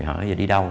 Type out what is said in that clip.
họ nói giờ đi đâu